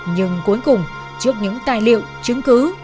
nhưng cuối cùng trước những tài liệu chứng cứ